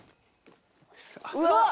うわっ！